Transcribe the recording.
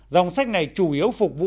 dòng sách này chủ yếu phục vụ